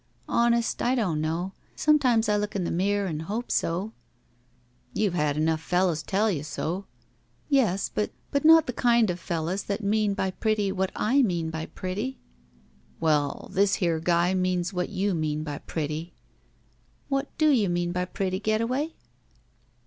"Honest, I don't know. Sometimes I look in the mirror and hope so." You've had enough fellows tell you so." "Yes, but — ^but not the kind of fellows that mean by pretty what I mean by pretty." "Well, this here guy means what you mean by pretty." "What do you mean by pretty. Getaway?"